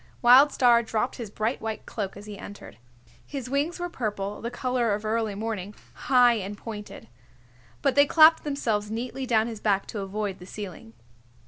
Wild Star dropped his bright white cloak as he entered. His wings were purple, the color of early morning, high and pointed. But they clapped themselves neatly down his back to avoid the ceiling.